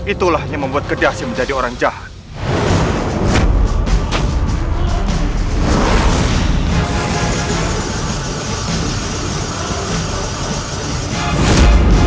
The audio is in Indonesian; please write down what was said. itulah yang membuat kedasi menjadi orang jahat